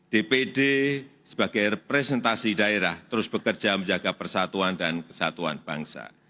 dpd sebagai representasi daerah terus bekerja menjaga persatuan dan kesatuan bangsa